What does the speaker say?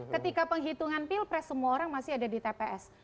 ketika penghitungan pilpres semua orang masih ada di tps